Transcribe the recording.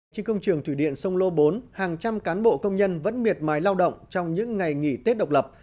trên công trường thủy điện sông lô bốn hàng trăm cán bộ công nhân vẫn miệt mài lao động trong những ngày nghỉ tết độc lập